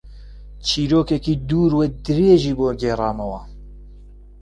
چیرۆکێکی دوور و درێژی بۆ گێڕامەوە.